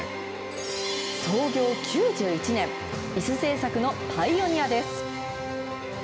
創業９１年、いす製作のパイオニアです。